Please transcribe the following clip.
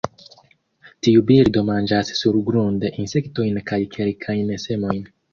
Tiu birdo manĝas surgrunde insektojn kaj kelkajn semojn.